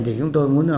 thì chúng tôi muốn